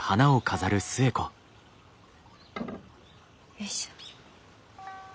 よいしょ。